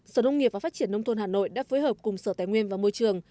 sở nông nghiệp và phát triển nông thôn hà nội đã phối hợp cùng sở tài nguyên và môi trường